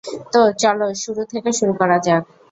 তো, চলো শুরু থেকে শুরু করা যাক।